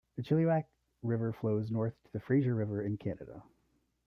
The Chilliwack River flows north to the Fraser River in Canada.